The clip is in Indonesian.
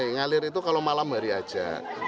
ngalir itu kalau malam hari aja